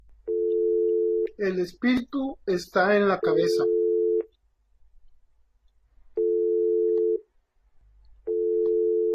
El espíritu está en la cabeza.